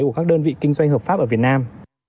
của các đơn vị kinh doanh hợp pháp ở việt nam